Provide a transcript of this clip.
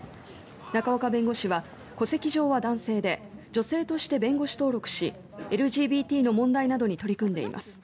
仲岡弁護士は戸籍上は男性で女性として弁護士登録しＬＧＢＴの問題などに取り組んでいます。